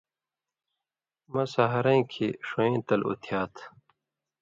مہ سَحرَئیں کھئیں ݜُوئیں تل اُتھیات